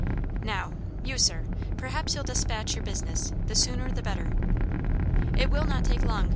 "Now you, sir perhaps you'll despatch your business; the sooner the better." "It will not take long.